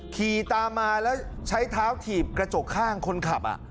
ขี่ตามมาแล้วใช้เท้าถีบกระจกข้างคนขับ